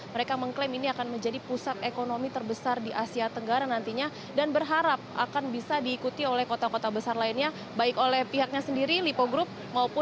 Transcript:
mereka mengklaim ini akan menjadi pusat ekonomi terbesar di asia tenggara nantinya dan berharap akan bisa diikuti oleh kota kota besar lainnya baik oleh pihaknya sendiri lipo group